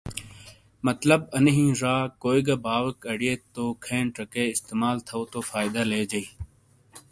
مطلب اَنی ہِین ڙ کوئی گہ باؤیک اڑئیت تو کھین چکے استعمال تھو تو فائدہ لیجِیں۔